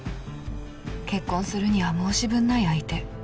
結婚するには申し分ない相手。